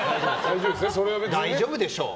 大丈夫でしょう。